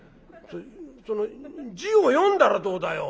その字を読んだらどうだよ？」。